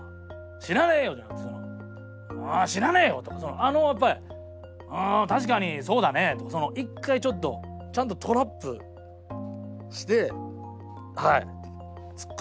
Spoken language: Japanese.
「知らねえよ」じゃなくて「う知らねえよ」とかあのやっぱり「うん確かにそうだね」とか一回ちょっとちゃんとトラップしてツッコんでるっていうか。